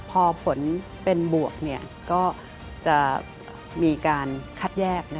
พอผลเป็นบวกก็จะมีการคัดแยก